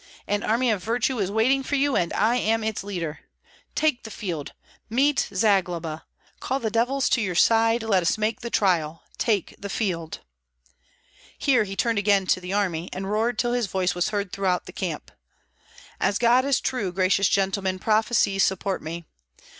An army of virtue is waiting for you, and I am its leader. Take the field! Meet Zagloba! Call the devils to your side; let us make the trial! Take the field!" Here he turned again to the army, and roared till his voice was heard throughout the whole camp, "As God is true, gracious gentlemen, prophecies support me!